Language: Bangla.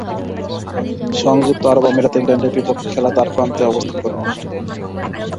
সংযুক্ত আরব আমিরাতে ইংল্যান্ডের বিপক্ষে খেলার দ্বারপ্রান্তে অবস্থান করেন।